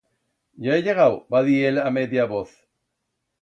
Ya he llegau, va dir él a media voz.